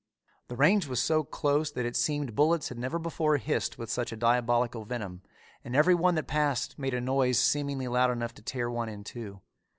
The range was so close that it seemed bullets had never before hissed with such a diabolical venom, and every one that passed made a noise seemingly loud enough to tear one in two.